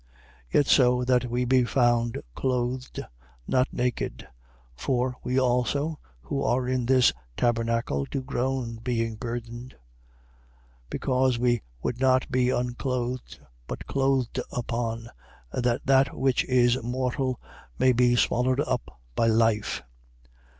5:3. Yet so that we be found clothed, not naked. 5:4. For we also, who are in this tabernacle, do groan, being burthened; because we would not be unclothed, but clothed upon, that that which is mortal may be swallowed up by life.